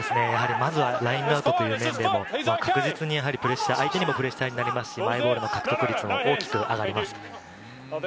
まずはラインアウトという確実にプレッシャー、相手にもプレッシャーになりますし、マイボールの確率が大きく上がります。